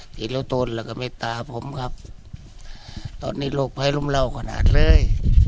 ทีละตนละกับเมตตาผมครับตอนนี้โลกไพร่รุ่มเหล่าขนาดเลย